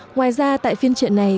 ngoài ra tại phiên trợ này